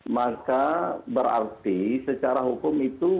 maka berarti secara hukum itu